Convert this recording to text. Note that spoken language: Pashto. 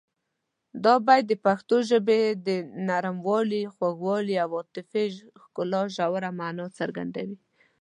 دا بیت د پښتو ژبې د نرموالي، خوږوالي او عاطفي ښکلا ژوره مانا څرګندوي.